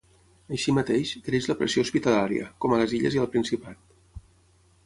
Així mateix, creix la pressió hospitalària, com a les Illes i al Principat.